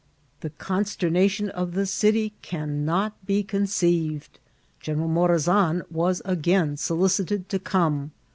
The consternation in the city cannot be conoeiyed. General Morazan was again solicited to come.